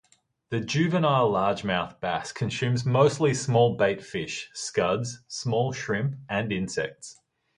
The juvenile largemouth bass consumes mostly small bait fish, scuds, small shrimp, and insects.